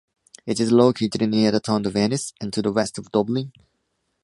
It is located near the town of Ennis and to the West of Dublin.